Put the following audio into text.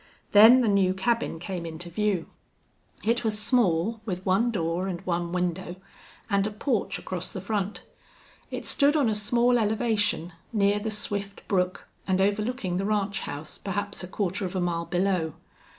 Then the new cabin came into view. It was small, with one door and one window, and a porch across the front. It stood on a small elevation, near the swift brook, and overlooking the ranch house perhaps a quarter of a mile below.